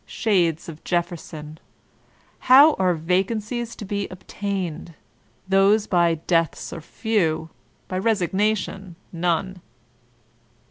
Shades of JeflFersonI "How are vacancies to be obtained? Those by deaths are few ; by resignation none."